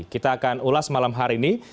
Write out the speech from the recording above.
kita akan ulas malam hari ini